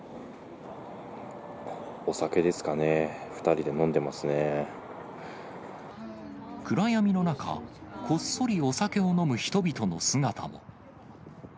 お酒ですかね、２人で飲んで暗闇の中、こっそりお酒を飲む人々の姿も。